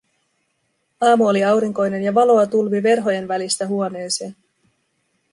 Aamu oli aurinkoinen ja valoa tulvi verhojen välistä huoneeseen.